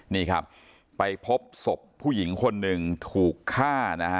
นี่ครับไปพบศพผู้หญิงคนหนึ่งถูกฆ่านะฮะ